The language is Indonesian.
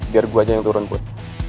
biar gue aja yang turun put